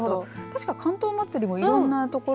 確かに竿燈まつりもいろんなところに。